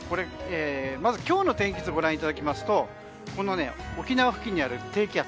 まず、今日の天気図をご覧いただきますと沖縄付近にある低気圧。